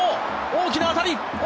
大きな当たり！